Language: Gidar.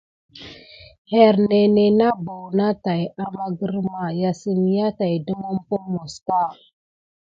Ernénè na buna täki amà grirmà sem.yà saki depumosok kà.